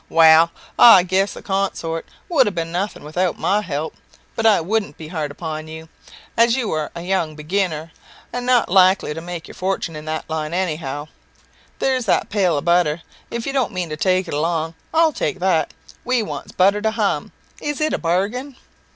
"Well, I guess the con sort would have been nothing without my help; but I won't be hard upon you, as you are a young beginner, and not likely to make your fortune in that line any how. There's that pail of butter; if you don't mean to take it along, I'll take that; we wants butter to hum. Is it a bargain?"